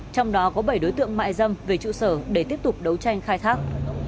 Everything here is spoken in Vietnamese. trong đó có bảy đối tượng mại dâm về trụ sở để tiếp tục đấu tranh khai thác